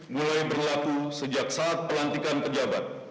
mulai berlaku sejak saat pelantikan pejabat